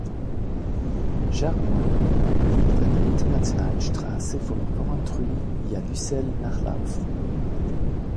Charmoille liegt an der internationalen Strasse von Porrentruy via Lucelle nach Laufen.